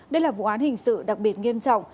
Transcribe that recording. đây là vụ án hình sự đặc biệt nghiêm trọng